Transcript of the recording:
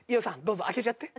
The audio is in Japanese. どうぞ開けちゃって。